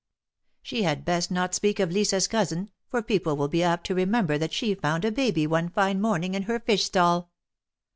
She had best not speak of Lisa's cousin, for people will be apt to remember that she found a baby one fine morning in her fish stall!"